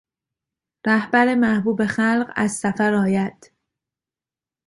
رهبر محبوب خلق از سفر آید